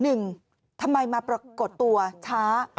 หนึ่งทำไมมาปรากฏตัวช้า